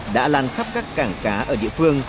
đã lan khắp các cảng cá ở địa phương